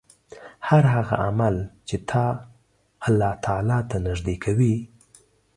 هر هغه عمل چې تا الله تعالی ته نژدې کوي